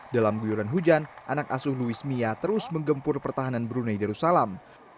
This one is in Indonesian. dalam guyuran hujan anak asuh luis mia terus menggempur pertahanan brunei darussalam